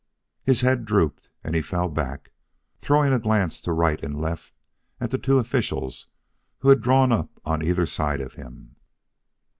His head drooped and he fell back, throwing a glance to right and left at the two officials who had drawn up on either side of him.